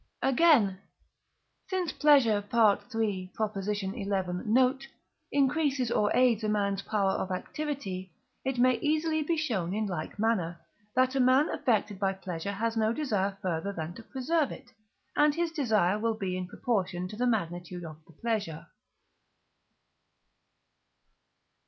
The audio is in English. Again, since pleasure (III. xi. note) increases or aids a man's power of activity, it may easily be shown in like manner, that a man affected by pleasure has no desire further than to preserve it, and his desire will be in proportion to the magnitude of the pleasure.